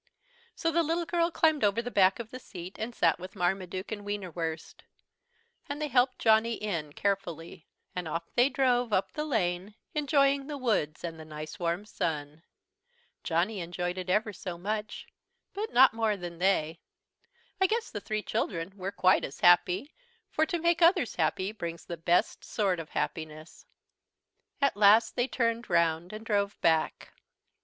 So the little girl climbed over the back of the seat and sat with Marmaduke and Wienerwurst. And they helped Johnny in carefully, and off they drove up the lane, enjoying the woods and the nice warm sun. Johnny enjoyed it ever so much, but not more than they. I guess the three children were quite as happy, for to make others happy brings the best sort of happiness. At last they turned round and drove back.